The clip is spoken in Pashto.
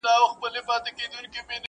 د نېستۍ قصور یې دی دغه سړی چي,